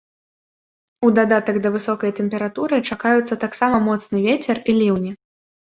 У дадатак да высокай тэмпературы чакаюцца таксама моцны вецер і ліўні.